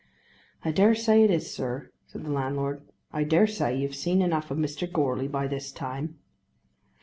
"I dare say it is, sir," said the landlord. "I dare say you've seen enough of Mr. Goarly by this time."